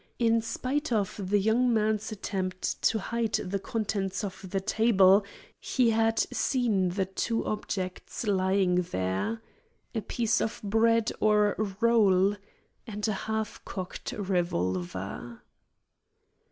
In spite of the young man's attempt to hide the contents of the table, he had seen the two objects lying there a piece of bread or roll, and a half cocked revolver.